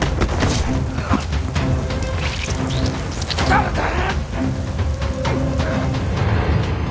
誰だ。